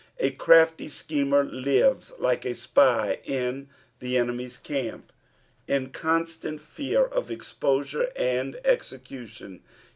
A crafty schemer lives like a spy in the enemy's camp, in I constant fear of exposure and execution.